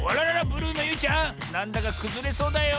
ブルーのゆいちゃんなんだかくずれそうだよ。